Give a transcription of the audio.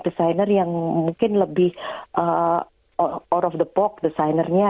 desainer yang mungkin lebih out of the box designernya